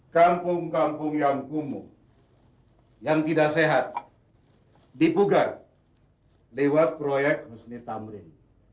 kampung kampung yang kumuh yang tidak sehat dibugar lewat proyek husni tamrin